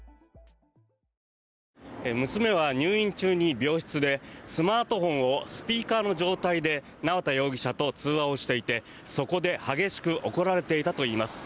娘は入院中に病室でスマートフォンをスピーカーの状態で縄田容疑者と通話をしていてそこで激しく怒られていたといいます。